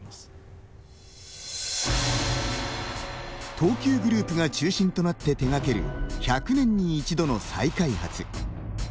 東急グループが中心となって手がける「１００年に１度の再開発」。